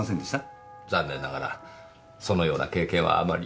残念ながらそのような経験はあまり。